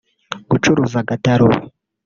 gucuruza agataro